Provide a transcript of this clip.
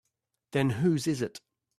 Then whose is it?